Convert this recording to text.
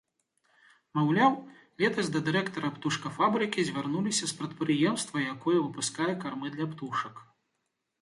Маўляў, летась да дырэктара птушкафабрыкі звярнуліся з прадпрыемства, якое выпускае кармы для птушак.